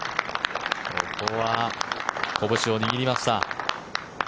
ここはこぶしを握りました。